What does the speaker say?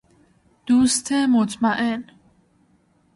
دوست مطمئن